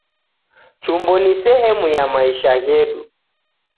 Chumbo ni sehemu ya maisha ghedu.